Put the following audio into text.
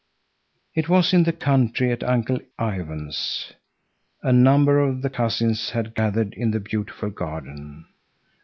It was in the country at Uncle Ivan's. A number of the cousins had gathered in the beautiful garden.